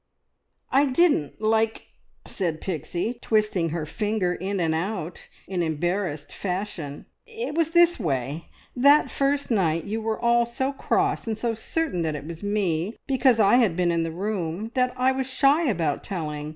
"I didn't like!" said Pixie, twisting her finger in and out in embarrassed fashion. "It was this way that first night you were all so cross and so certain that it was me, because I had been in the room, that I was shy about telling.